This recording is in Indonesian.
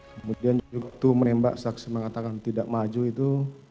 kemudian waktu menembak saksi mengatakan tidak maju itu